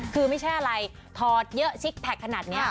คือไม่ใช่อะไรถอดเยอะซิกแพคขนาดนี้